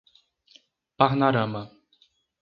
Parnarama